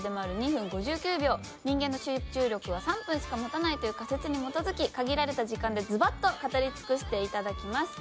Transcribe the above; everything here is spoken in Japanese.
人間の集中力は３分しか持たないという仮説に基づき限られた時間でズバッと語り尽くしていただきます。